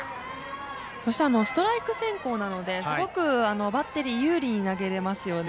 そしてストライク先行なのですごくバッテリー有利に投げれますよね。